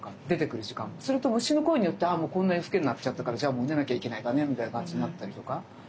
それと虫の声によって「ああもうこんな夜更けになっちゃったからじゃあもう寝なきゃいけないかね」みたいな感じになったりとか。